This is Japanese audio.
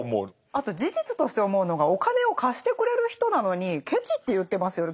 あと事実として思うのがお金を貸してくれる人なのにケチって言ってますよね？